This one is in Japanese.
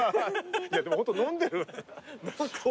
でもホント飲んでる。